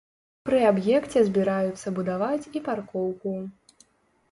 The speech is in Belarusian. Пры аб'екце збіраюцца будаваць і паркоўку.